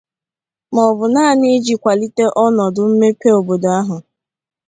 maọbụ naanị iji kwàlite ọnọdụ mmepe obodo ahụ